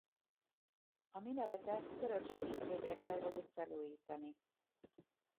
A minaretet török segítséggel tervezik felújítani.